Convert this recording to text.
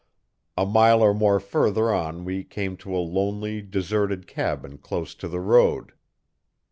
A mile or more further on we came to a lonely, deserted cabin close to the road.